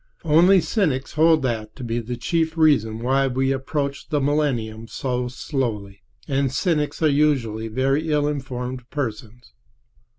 Only cynics hold that to be the chief reason why we approach the millennium so slowly, and cynics are usually very ill informed persons.